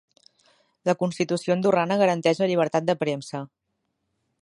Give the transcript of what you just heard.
La constitució andorrana garanteix la llibertat de premsa.